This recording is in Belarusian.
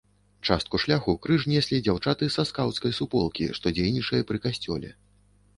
Частку шляху крыж неслі дзяўчаты са скаўцкай суполкі, што дзейнічае пры касцёле.